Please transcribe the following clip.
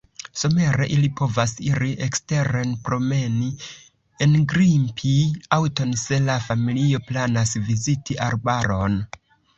Somere ili povas iri eksteren promeni, engrimpi aŭton, se la familio planas viziti arbaron.